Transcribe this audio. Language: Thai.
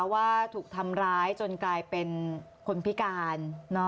ว่าถูกทำร้ายจนกลายเป็นคนพิการ